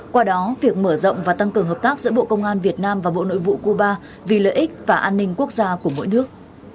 qua đó việc mở rộng và tăng cường hợp tác giữa bộ công an việt nam và bộ nội vụ cuba vì lợi ích và an ninh quốc gia của mỗi nước